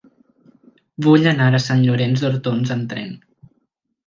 Vull anar a Sant Llorenç d'Hortons amb tren.